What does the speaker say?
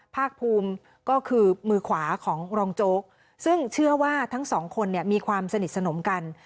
ภาคภูมิก็คือมือขวาของรองโจ๊กซึ่งเชื่อว่าทั้งสองคนเนี่ยมีความสนิทสนมกัน